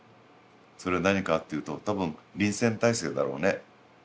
それは何かっていうと多分臨戦態勢だろうね。